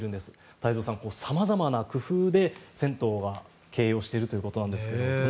太蔵さん、様々な工夫で銭湯が経営をしているということなんですが。